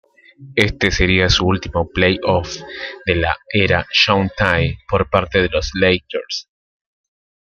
Este sería el último playoff, de la era "Showtime", por parte de los Lakers.